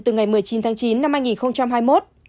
từ ngày một mươi chín tháng chín năm hai nghìn hai mươi một